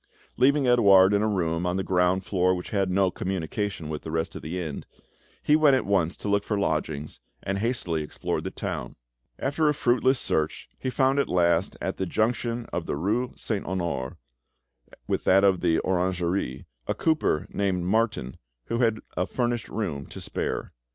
Leaving Edouard in a room on the ground floor which had no communication with the rest of the inn, he went at once to look for lodgings, and hastily explored the town. After a fruitless search, he found at last, at the junction of the rue Saint Honore with that of the Orangerie, a cooper named Martin, who had a furnished room to spare.